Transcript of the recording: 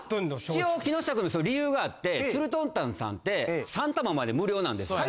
一応木下くんの理由があってつるとんたんさんって３玉まで無料なんですよ。